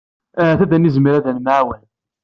Ahat ad nezmer ad nemɛawen.